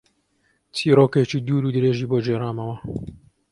چیرۆکێکی دوور و درێژی بۆ گێڕامەوە.